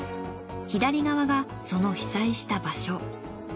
左側がその被災した場所。